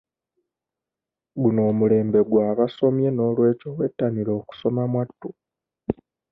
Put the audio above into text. Guno omulembe gw'abasomye n'olw'ekyo wettanire okusoma mwatu.